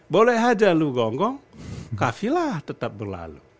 boleh aja lu gonggong kafilah tetap berlalu